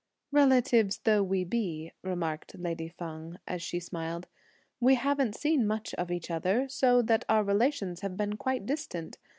"Relatives though we be," remarked lady Feng, as she smiled, "we haven't seen much of each other, so that our relations have been quite distant.